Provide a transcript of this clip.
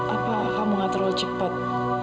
apa kamu gak terlalu cepat